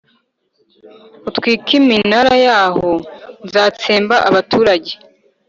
utwike iminara yaho Nzatsemba abaturage